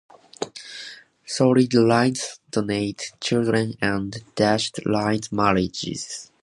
Solid lines denote children and dashed lines marriages.